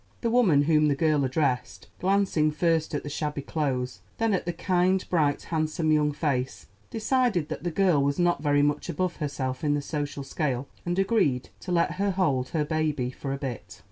The woman whom the girl addressed, glancing first at the shabby clothes, then at the kind, bright, handsome young face, decided that the girl was not very much above herself in the social scale, and agreed to let her hold her baby for a bit.